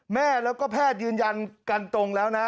แม่แล้วก็แพทย์ยืนยันกันตรงแล้วนะ